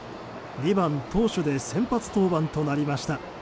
２番投手で先発登板となりました。